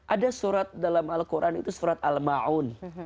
ada surat dalam al quran itu surat al ma'un